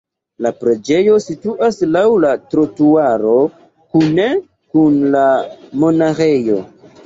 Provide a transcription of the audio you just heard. La preĝejo situas laŭ la trotuaro kune kun la monaĥejo.